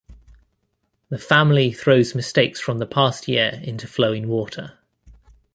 The family throws mistakes from the past year into flowing water.